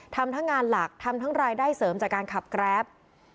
ทำทั้งงานหลักทำทั้งรายได้เสริมจากการขับแกรป